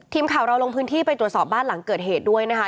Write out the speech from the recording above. ทีมข่าวเราลงพื้นที่ไปตรวจสอบบ้านหลังเกิดเหตุด้วยนะคะ